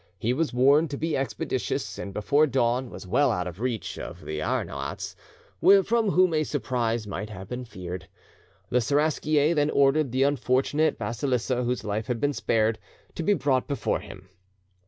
He was warned to be expeditious, and before dawn was well out of reach of the Arnaouts, from whom a surprise might have been feared. The Seraskier then ordered the unfortunate Basilissa, whose life had been spared, to be brought before him.